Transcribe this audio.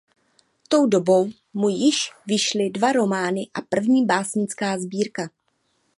Tou dobou mu již vyšly dva romány a první básnická sbírka.